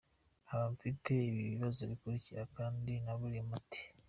Nkaba mfite ibi bibazo bikurikira kandi naburiye umuti.